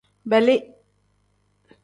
Beli.